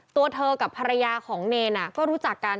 ตัวเธอกับภรรยาของเนรก็รู้จักกัน